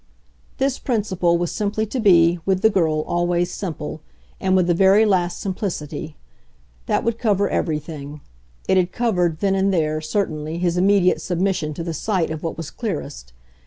This principle was simply to be, with the girl, always simple and with the very last simplicity. That would cover everything. It had covered, then and there, certainly, his immediate submission to the sight of what was clearest.